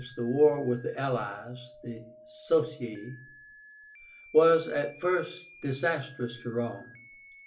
the war with the allies (Socii), was at first disastrous to Rome.